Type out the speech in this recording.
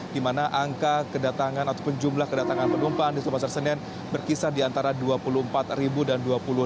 di mana angka kedatangan ataupun jumlah kedatangan penumpang di pasar senen berkisar di antara dua puluh empat ribu dan dua puluh enam